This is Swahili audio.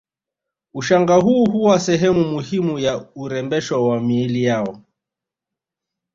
Ushanga huu huwa sehemu muhimu ya urembesho wa miili yao